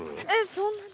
そんなに？